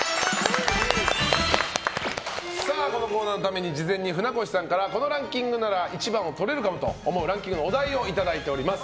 このコーナーのために、事前に船越さんからこのランキングなら１番をとれるかもと思うランキングのお題をいただいております。